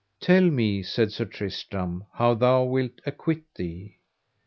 Tell me, said Sir Tristram, how thou wilt acquit thee?